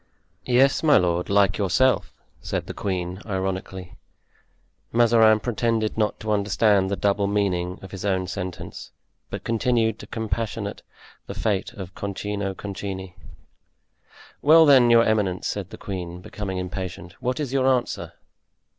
"Yes, my lord, like yourself!" said the queen, ironically. Mazarin pretended not to understand the double meaning of his own sentence, but continued to compassionate the fate of Concino Concini. "Well then, your eminence," said the queen, becoming impatient, "what is your answer?"